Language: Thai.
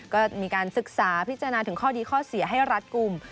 ก็มีการศึกษาพิจารณาถึงข้อดีข้อเสียให้รัดกลุ่ม